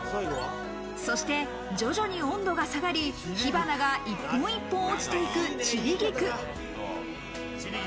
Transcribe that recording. そして徐々に温度が下がり、火花が一本一本、落ちていく散り菊。